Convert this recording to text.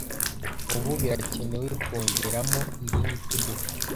Ubu birakenewe kongeramo irindi tegeko.